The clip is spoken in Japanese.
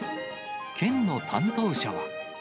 県の担当者は。